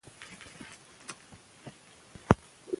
زه د شپې د ښه خوب لپاره ارام چاپېریال جوړوم.